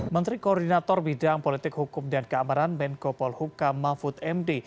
menteri koordinator bidang politik hukum dan keamanan menko polhuka mahfud md